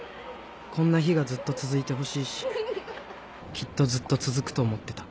こんな日がずっと続いてほしいしきっとずっと続くと思ってた。